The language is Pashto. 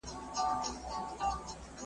چي زه نه یم هستي ختمه، چي زه نه یم بشر نسته ,